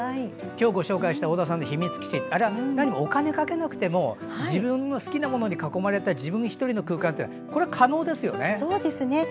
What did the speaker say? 今日ご紹介した太田さんの秘密基地あれはお金をかけなくても自分の好きなものに囲まれた自分１人の空間は可能ですね。